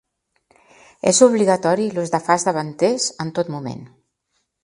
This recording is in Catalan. És obligatori l'ús de fars davanters en tot moment.